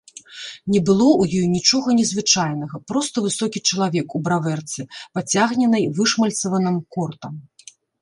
Не было ў ёй нічога незвычайнага, проста высокі чалавек у бравэрцы, пацягненай вышмальцаваным кортам.